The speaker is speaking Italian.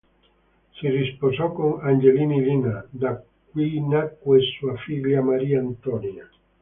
Si risposò con Angelini Lina da cui nacque sua figlia Maria Antonia.